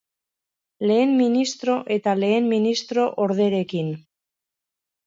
Lehen ministro eta lehen ministro orderekin.